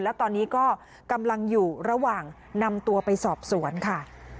และตอนนี้ก็กำลังอยู่ระหว่างนำตัวไปสอบสวนค่ะ